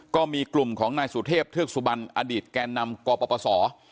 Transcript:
ก็มีกลุ่มของนายสุเทพเทือกสุบันอดีตแก่นำกปศ